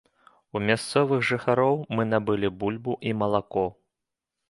У мясцовых жыхароў мы набылі бульбу і малако.